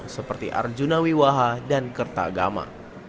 seperti arjuna wiwaha dan kertagama